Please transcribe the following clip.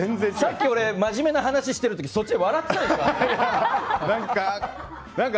さっき俺真面目な話してる時にそっちで笑ってたでしょ、あなた。